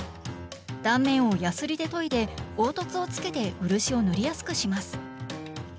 断面をヤスリで研いで凹凸をつけて漆を塗りやすくします。